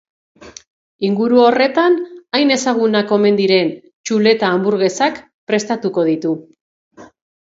Inguru horretan hain ezagunak omen diren txuleta-hanburgesak prestatuko ditu.